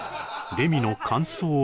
レミの感想は？